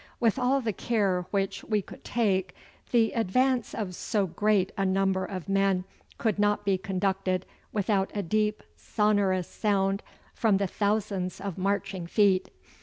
With all the care which we could take, the advance of so great a number of men could not be conducted without a deep sonorous sound from the thousands of marching feet.